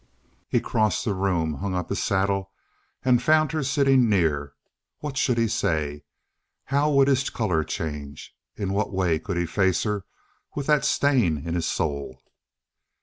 He crossed the room, hung up his saddle, and found her sitting near. What should he say? How would his color change? In what way could he face her with that stain in his soul?